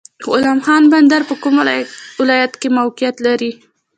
غلام خان بندر په کوم ولایت کې موقعیت لري؟